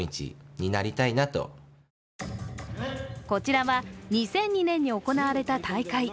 こちらは２００２年に行われた大会。